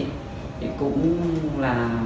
thì cũng là